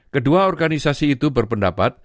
kedua organisasi itu berpendapat